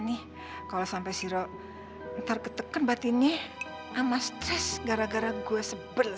nih kalau sampai sirok entar ketekan batinnya ama stress gara gara gua sebelah